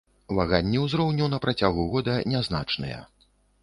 Ваганні ўзроўню на працягу года нязначныя.